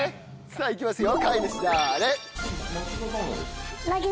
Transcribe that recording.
さぁ行きますよ。